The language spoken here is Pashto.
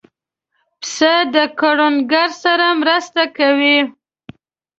پسه د کروندګر سره مرسته کوي.